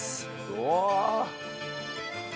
うわ